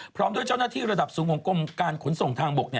พร้อมด้วยเจ้าหน้าที่ระดับสูงของกรมการขนส่งทางบก